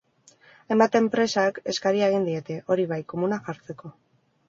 Hainbat enpresak eskaria egin diete, hori bai, komunak jartzeko.